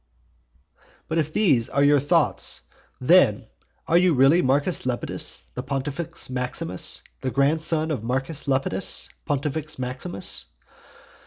VII. If these are your thoughts, then are you really Marcus Lepidus the Pontifex Maximus, the great grandson of Marcus Lepidus, Pontifex Maximus.